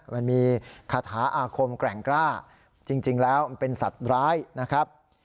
มันมีคาถาอาคมแกร่งกล้าจริงแล้วมันเป็นสัตว์ร้ายนะครับ